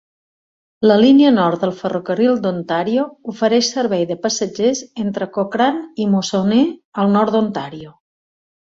La línia nord del ferrocarril d'Ontario ofereix servei de passatgers entre Cochrane i Moosonee al nord d'Ontario.